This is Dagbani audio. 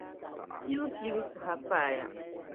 Piibu piibu saha paaya.